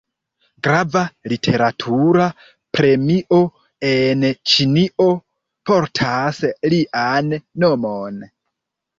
Grava literatura premio en Ĉinio portas lian nomon.